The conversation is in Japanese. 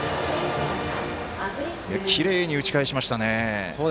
きれいに打ち返しましたね。